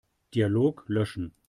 Dialog löschen.